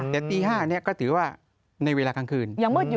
แต่ตี๕ก็ถือว่าในเวลากลางคืน